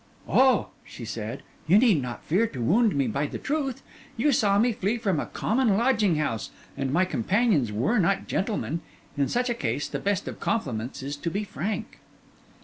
'Oh!' she said, 'you need not fear to wound me by the truth. You saw me flee from a common lodging house, and my companions were not gentlemen. In such a case, the best of compliments is to be frank.